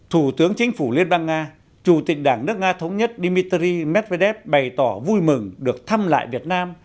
thủ tướng chính phủ liên bang nga chủ tịch đảng nước nga thống nhất dmitry medvedev bày tỏ vui mừng được thăm lại việt nam